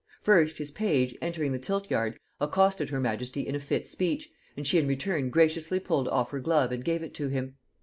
First, his page, entering the tilt yard, accosted her majesty in a fit speech, and she in return graciously pulled off her glove and gave it to him.